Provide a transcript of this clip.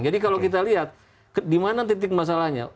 jadi kalau kita lihat di mana titik masalahnya